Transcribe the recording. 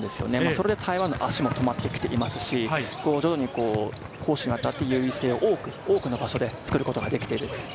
それで台湾の足も止まってきていますし、徐々に攻守にわたって優位性を多くの場所で作ることができています。